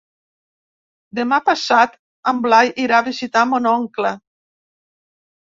Demà passat en Blai irà a visitar mon oncle.